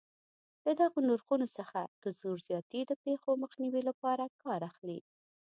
له دغو نرخونو څخه د زور زیاتي د پېښو مخنیوي لپاره کار اخلي.